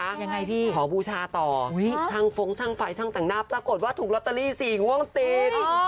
ยังไงพี่พี่ขอบูชาต่อทั้งฟงทั้งไฟทั้งดับปรากฏว่าถูกรอตเตอรี่๔งวงติน